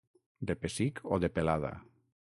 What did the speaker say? De pessic o de pelada.